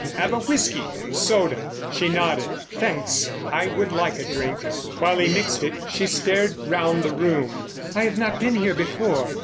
Have a whisky and soda?" She nodded. "Thanks, I would like a drink." While he mixed it she stared round the room. "I've not been here before.